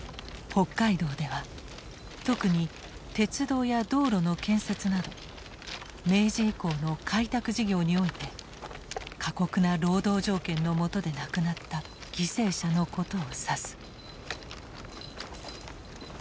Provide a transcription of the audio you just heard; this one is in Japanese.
北海道では特に鉄道や道路の建設など明治以降の開拓事業において過酷な労働条件の下で亡くなった犠牲者のことを指す。